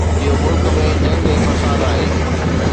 اهو ملڪ ۾ جنگ ۽ فساد آهي.